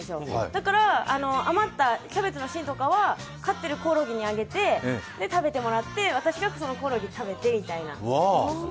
だから余ったキャベツの芯とかは飼っているコオロギにあげて食べてもらって、私がそのコオロギを食べてみたいな。